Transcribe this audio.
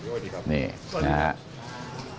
วันนี้ครับ